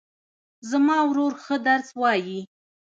زما ورور ښه درس وایي